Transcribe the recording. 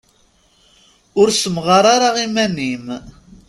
Ur ssemɣar ara iman-im.